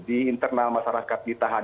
di internal masyarakat ditahan